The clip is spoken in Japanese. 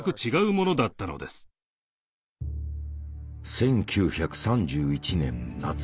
１９３１年夏。